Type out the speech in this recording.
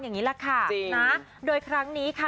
อย่างนี้ล่ะค่ะโดยครั้งนี้ค่ะ